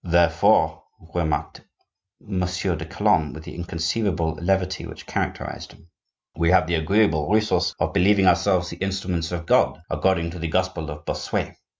"Therefore," remarked Monsieur de Calonne, with the inconceivable levity which characterized him, "we have the agreeable resource of believing ourselves the instruments of God, according to the Gospel of Bossuet."